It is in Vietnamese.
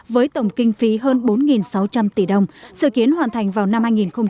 với tổng kinh phí hơn bốn sáu trăm linh tỷ đồng sự kiến hoàn thành vào năm hai nghìn hai mươi